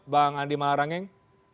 bang hadim malarangeng